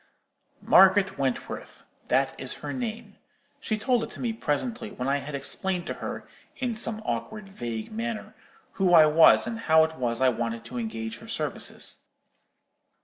"Margaret Wentworth,—that is her name. She told it me presently, when I had explained to her, in some awkward vague manner, who I was, and how it was I wanted to engage her services.